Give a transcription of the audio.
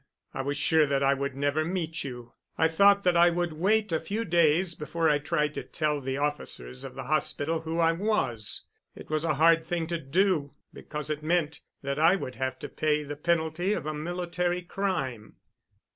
I was sure that I would never meet you. I thought that I would wait a few days before I tried to tell the officers of the hospital who I was. It was a hard thing to do—because it meant that I would have to pay the penalty of a military crime."